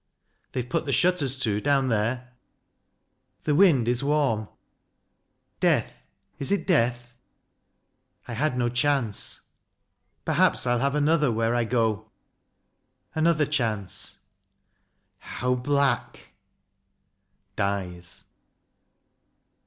They've put the shutters to, down there. .. The wind Is warm. ... Death is it death ?... I had no chance ... Perhaps I'll have another where I go. ... Another chance ... How black !... [Dies.